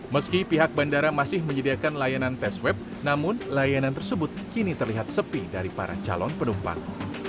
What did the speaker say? meski pihak bandara masih menyediakan layanan tes web namun layanan tersebut kini terlihat sepi dari para calon penumpang